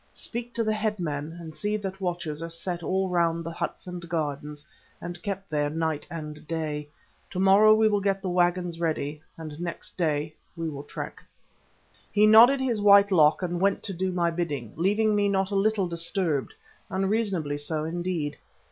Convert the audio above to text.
Speak to the headmen, and see that watchers are set all round the huts and gardens, and kept there night and day. To morrow we will get the waggons ready, and next day we will trek." He nodded his white lock and went to do my bidding, leaving me not a little disturbed—unreasonably so, indeed.